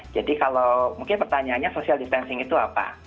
jadi kalau mungkin pertanyaannya social distancing itu apa